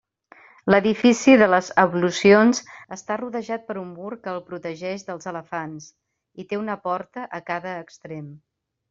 L'edifici de les ablucions està rodejat per un mur que el protegeix dels elefants i té una porta a cada extrem.